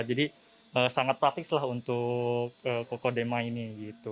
jadi sangat praktis lah untuk kokedama ini